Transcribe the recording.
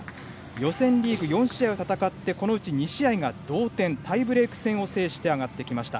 予選リーグ４試合戦ってこのうち２試合が同点でタイブレーク戦を制して上がってきました。